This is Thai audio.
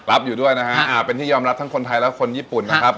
อยู่ด้วยนะฮะอ่าเป็นที่ยอมรับทั้งคนไทยและคนญี่ปุ่นนะครับ